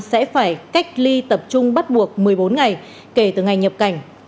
sẽ phải cách ly tập trung bắt buộc một mươi bốn ngày kể từ ngày nhập cảnh